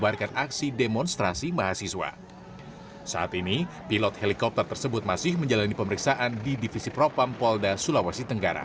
dan sekarang menurut informasi diperiksa di provos